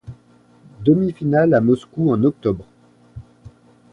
Demi finale à Moscou en octobre.